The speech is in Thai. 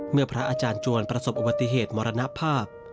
พระอาจารย์จวนประสบอุบัติเหตุมรณภาพ